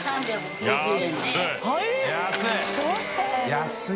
安い！